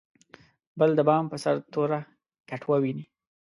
بل د بام په سر توره کټوه ویني.